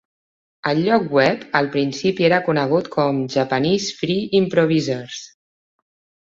El lloc web al principi era conegut com a "Japanese Free Improvisers".